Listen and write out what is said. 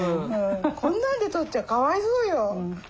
こんなんで取っちゃかわいそうよ。